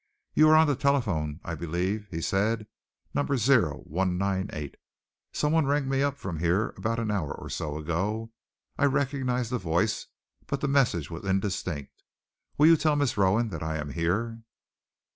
"You are on the telephone, I believe," he said, "number 0198. Someone rang me up from here about an hour or so ago. I recognized the voice, but the message was indistinct. Will you tell Miss Rowan that I am here?"